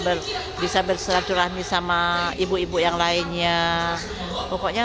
berbisa berserah serah nih sama ibu ibu yang lainnya pokoknya